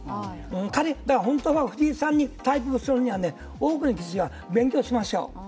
彼、本当は藤井さんに対局するには多くの棋士が勉強しましょう。